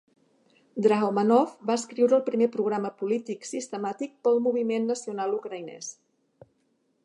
Drahomanov va escriure el primer programa polític sistemàtic per al moviment nacional ucraïnès.